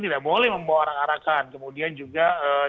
tidak boleh membawa orang arakan kemudian juga